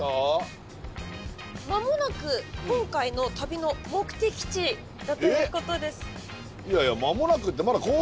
間もなく今回の旅の目的地だということです。